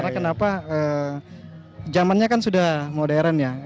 jadi jamannya kan sudah modern ya